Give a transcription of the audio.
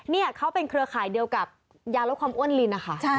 นี่เขาเป็นเครือข่ายเดียวกับยาลดความอ้วนลินนะคะ